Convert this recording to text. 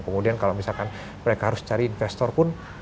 kemudian kalau misalkan mereka harus cari investor pun